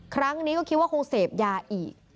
ครั้งนี้ก็คิดว่าคงเสพยาอีก